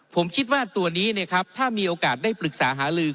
ผมคิดว่าตัวนี้ถ้ามีโอกาสได้ปรึกษาหาลือ